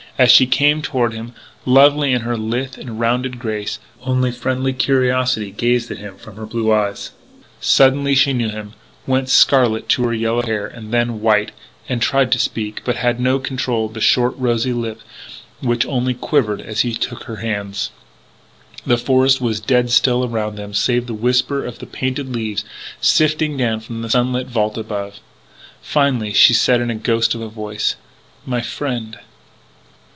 As she came toward him, lovely in her lithe and rounded grace, only friendly curiosity gazed at him from her blue eyes. Suddenly she knew him, went scarlet to her yellow hair, then white: and tried to speak but had no control of the short, rosy upper lip which only quivered as he took her hands. The forest was dead still around them save for the whisper of painted leaves sifting down from a sunlit vault above. Finally she said in a ghost of a voice: "My friend...."